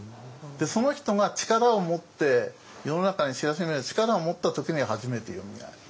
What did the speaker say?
その人が力を持って世の中に知らしめる力を持った時に初めてよみがえる。